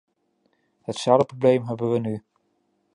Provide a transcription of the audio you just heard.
Hetzelfde probleem hebben we nu.